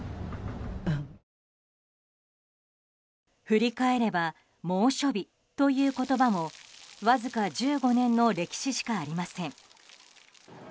振り返れば猛暑日という言葉もわずか１５年の歴史しかありません。